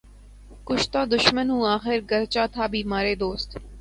کُشتۂ دشمن ہوں آخر، گرچہ تھا بیمارِ دوست